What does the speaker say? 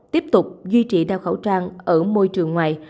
tiếp tục duy trì đeo khẩu trang ở môi trường ngoài